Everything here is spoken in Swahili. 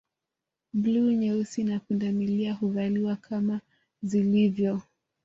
Bluu nyeusi na pundamilia huvaliwa kama zilivyo